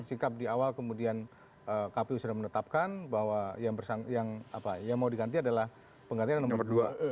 sikap di awal kemudian kpu sudah menetapkan bahwa yang mau diganti adalah penggantian nomor dua